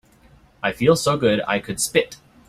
I feel so good I could spit.